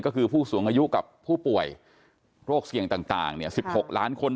ก็คือผู้สูงอายุกับผู้ป่วยโรคเสี่ยงต่าง๑๖ล้านคน